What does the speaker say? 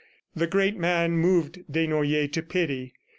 The great man moved Desnoyers to pity.